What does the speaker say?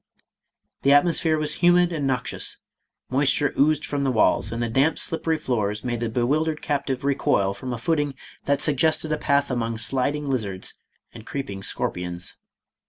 The atmosphere was humid and noxious ; moisture oozed from the walls, and the damp slippery floors made the bewildered captive recoil from a footing that suggested a path among sliding lizards and creeping scorpions.